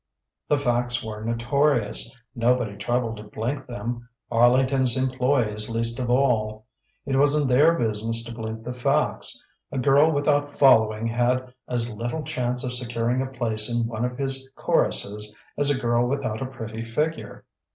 The facts were notorious; nobody troubled to blink them; Arlington's employees least of all. It wasn't their business to blink the facts; a girl without following had as little chance of securing a place in one of his choruses as a girl without a pretty figure.